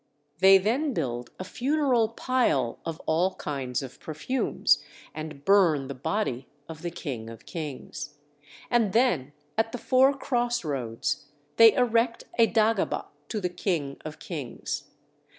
They then build a funeral pile of all kinds of perfumes, and burn the body of the king of kings. And then at the four cross roads they erect a dagaba to the king of kings.